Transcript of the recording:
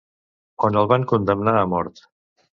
On el van condemnar a mort.